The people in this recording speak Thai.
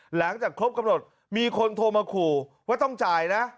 หลังจากครบกำหนดมีคนโทรมาขู่ว่าต้องจ่ายนะ